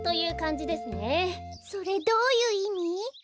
それどういういみ？